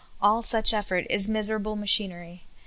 All such effort is miserable machiner}